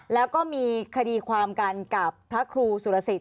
แล้วก็มีคดีความกันกับพระครูสุรสิทธิ